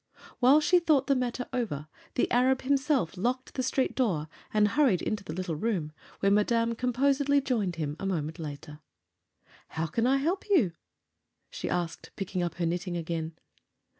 While she thought the matter over the Arab himself locked the street door and hurried into the little room, where Madame composedly joined him a moment later. "How can I help you?" she asked, picking up her knitting again.